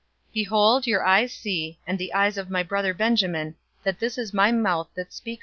"' 045:012 Behold, your eyes see, and the eyes of my brother Benjamin, that it is my mouth that speaks to you.